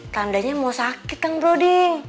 tandanya mau sakit kan broding